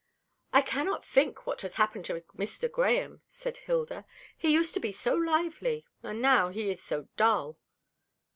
"I cannot think what has happened to Mr. Grahame," said Hilda. "He used to be so lively, and now he is so dull."